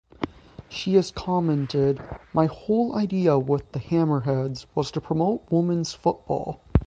She has commented, My whole idea with the Hammerheads was to promote women's football.